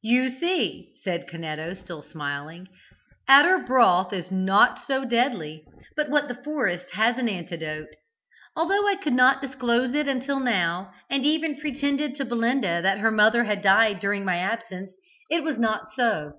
"You see," said Canetto, still smiling, "Adder broth is not so deadly but what the forest has an antidote. Although I could not disclose it until now, and even pretended to Belinda that her mother had died during my absence, it was not so.